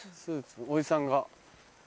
おじさんが。